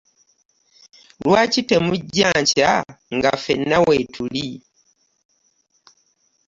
Lwaki temujja nkya nga ffenna weetuli?